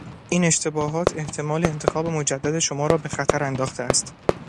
این اشتباهات احتمالانتخاب مجدد شما را به خطر انداخته است.